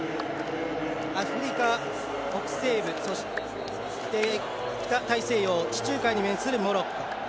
アフリカ北西部、そして北大西洋地中海に面するモロッコ。